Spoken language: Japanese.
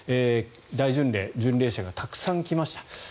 大巡礼、巡礼者がたくさん来ました。